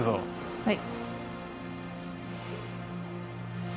はい